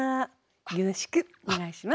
よろしくお願いします。